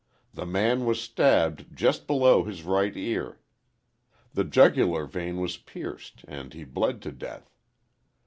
The man was stabbed just below his right ear. The jugular vein was pierced, and he bled to death.